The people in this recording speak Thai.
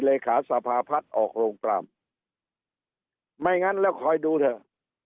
เลขาสภาพัฒน์ออกโรงปรามไม่งั้นแล้วคอยดูเถอะ